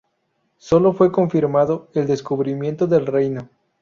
Sólo fue confirmado el descubrimiento del renio.